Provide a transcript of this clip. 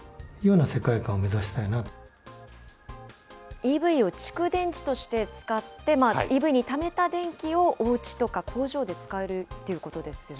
ＥＶを蓄電池として使って、ＥＶにためた電気をおうちとか工場で使えるということですよね。